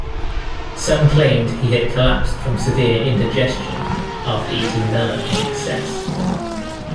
Some claimed he had collapsed from severe indigestion after eating melon in excess.